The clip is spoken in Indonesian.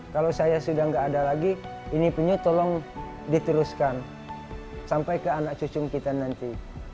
kalau saya sudah tidak ada lagi ini penyu tolong diteruskan sampai ke anak cucu kita nanti